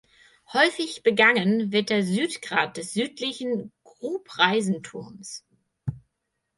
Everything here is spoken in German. Häufig begangen wird der Südgrat des Südlichen Grubreisenturms.